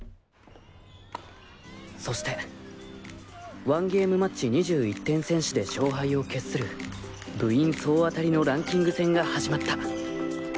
そして１ゲームマッチ２１点先取で勝敗を決する部員総当たりのランキング戦が始まった！